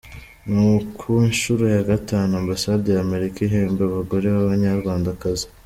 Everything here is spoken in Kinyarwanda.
Ni ku nshuro ya gatanu, Ambasade ya Amerika ihemba abagore b’Abanyarwandakazi.